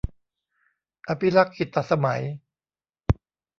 อภิลักขิตสมัย